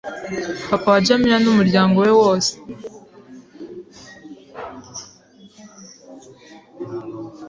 Papa wa Djamila n’umuryango we wose,